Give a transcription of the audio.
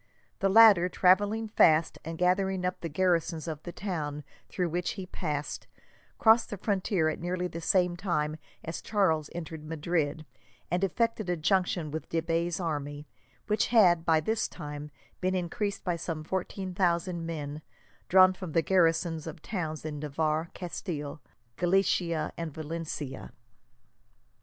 The latter, travelling fast, and gathering up the garrisons of the towns through which he passed, crossed the frontier at nearly the same time as Charles entered Madrid, and effected a junction with de Bay's army; which had, by this time, been increased by some fourteen thousand men, drawn from the garrisons of towns in Navarre, Castile, Galicia, and Valencia.